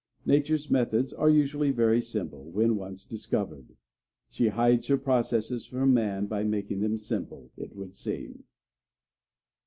Nature's methods are usually very simple, when once discovered. She hides her processes from man by making them simple, it would seem.